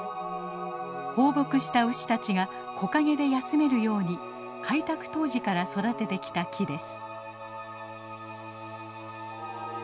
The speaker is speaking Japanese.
放牧した牛たちが木陰で休めるように開拓当時から育ててきた木です。